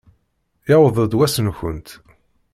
Yewweḍ-d wass-nkent!